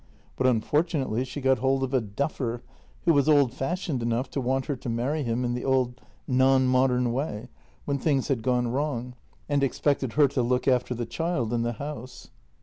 But unfortunately she got hold of a duffer who was old fashioned enough to want her to marry him in the old non modern way when things had gone wrong, and expected her to look after the child and the house."